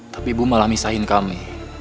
tapi ibu malah misahin kami